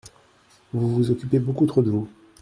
Vous vous occupez beaucoup trop de vous…